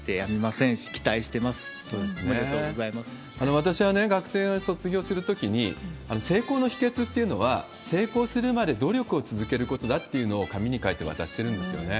私はね、学生が卒業するときに、成功の秘訣っていうのは、成功するまで努力を続けることだっていうのを、紙に書いて渡してるんですよね。